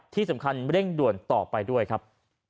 ที่สำคัญเร่งด่วนต่อไปด้วยครับ